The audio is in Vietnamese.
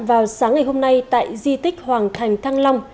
vào sáng ngày hôm nay tại di tích hoàng thành thăng long